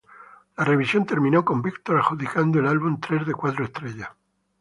La revisión terminó con Víctor adjudicando el álbum tres de cuatro estrellas.